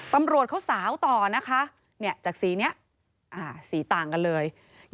ตำรวจเขาสาวต่อนะคะจากสีนี้สีต่างกันเลย